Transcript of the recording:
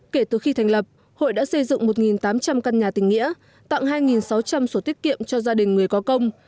kể từ khi thành lập hội đã xây dựng một tám trăm linh căn nhà tình nghĩa tặng hai sáu trăm linh sổ tiết kiệm cho gia đình người có công